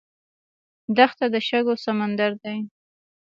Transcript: دښته د شګو سمندر دی.